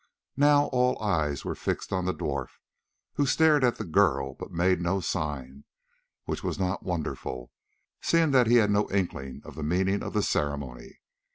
Now all eyes were fixed on the dwarf, who stared at the girl but made no sign, which was not wonderful, seeing that he had no inkling of the meaning of the ceremony.